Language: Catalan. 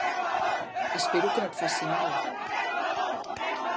Espero que no et faci mal.